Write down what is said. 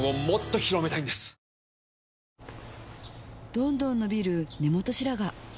どんどん伸びる根元白髪